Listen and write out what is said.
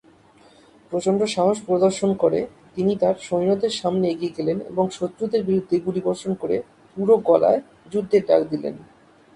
প্রচন্ড সাহস প্রদর্শন করে, তিনি তাঁর সৈন্যদের সামনে এগিয়ে গেলেন এবং শত্রুদের বিরুদ্ধে গুলিবর্ষণ করে পুরো গলায় যুদ্ধের ডাক দিলেন।